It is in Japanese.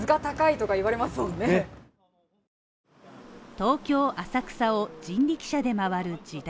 東京浅草を人力車で回る時代